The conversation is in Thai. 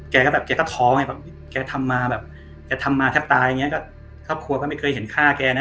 แกก็ท้องแกทำมาแทบตายครอบครัวก็ไม่เคยเห็นฆ่าแกนะ